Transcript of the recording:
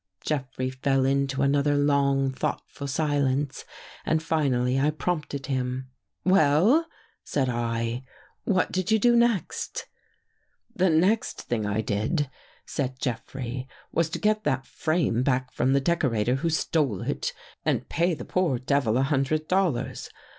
Jeffrey fell into another long, thoughtful silence and finally I prompted him. " Well," said I, " what did you do next? "" The next thing I did," said Jeffrey, " was to get that frame back from the decorator who stole it and pay the poor devil a hundred dollars.